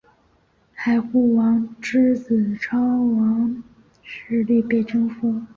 海护王之子超日王势力被征服。